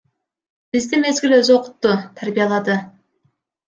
Бизди мезгил өзү окутту, тарбиялады.